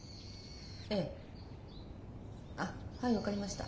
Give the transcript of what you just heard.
ええはい分かりました。